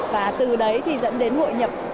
và từ đấy thì dẫn đến hội nhập